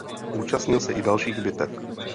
Účastnil se i dalších bitev.